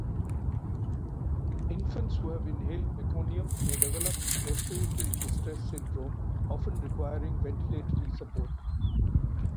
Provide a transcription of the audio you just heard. Infants who have inhaled meconium may develop respiratory distress syndrome often requiring ventilatory support.